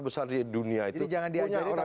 besar di dunia itu jadi jangan diajari